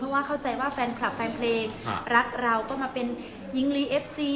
ว่าเข้าใจว่าแฟนคลับแฟนเพลงรักเราก็มาเป็นหญิงลีเอฟซี